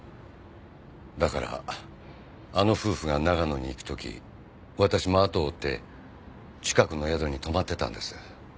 だからあの夫婦が長野に行く時私も後を追って近くの宿に泊まってたんです。